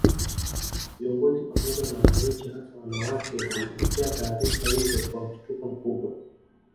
Viongozi pamoja na wananchi hasa wanawake walipokea taarifa hizo kwa mshtuko mkubwa